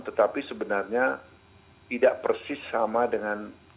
tetapi sebenarnya tidak persis sama dengan